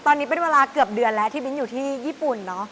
ตอนนี้เป็นเวลาเกือบเดือนแล้วที่บินอยู่ที่ญี่ปุ่นเนอะ